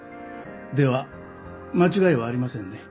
では間違いはありませんね？